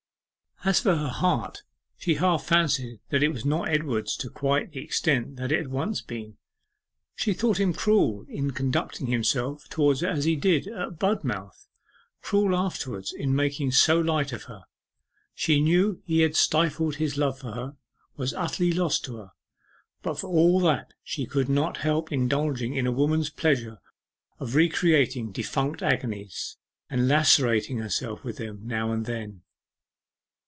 As for her heart, she half fancied that it was not Edward's to quite the extent that it once had been; she thought him cruel in conducting himself towards her as he did at Budmouth, cruel afterwards in making so light of her. She knew he had stifled his love for her was utterly lost to her. But for all that she could not help indulging in a woman's pleasure of recreating defunct agonies, and lacerating herself with them now and then.